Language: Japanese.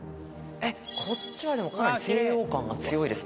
こっちはでもかなり西洋感が強いですね。